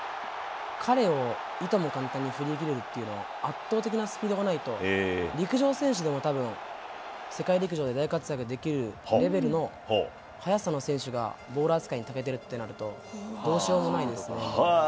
彼をいとも簡単に振り切れるっていうのは、圧倒的なスピードがないと、陸上選手でもたぶん、世界陸上で大活躍できるレベルの速さの選手が、ボール扱いにたけてるってなると、どうしようもないんですね。